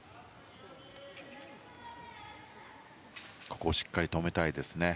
ここ、しっかり止めたいですね。